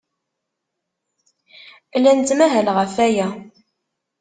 La nettmahal ɣef waya.